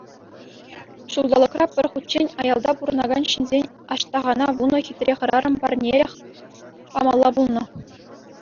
Ҫулталӑкра пӗр хутчен ялта пурӑнакан ҫынсен Аҫтахана вунӑ хитре хӗрарӑм парнелӗх памалла пулнӑ.